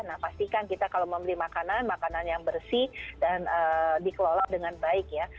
nah pastikan kita kalau membeli makanan makanan yang bersih dan dikelola dengan baik ya